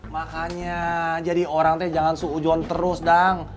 makanya jadi orang ten jangan seujuan terus dang